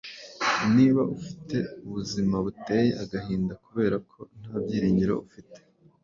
Niba ufite ubuzima buteye agahinda kubera ko nta byiringiro ufite,